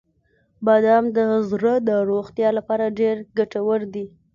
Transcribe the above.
• بادام د زړه د روغتیا لپاره ډیره ګټور دی.